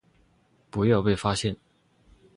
不要被发现